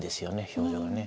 表情はね。